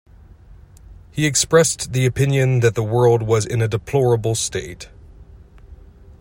He expressed the opinion that the world was in a deplorable state.